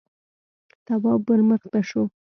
تواب ور مخته شو: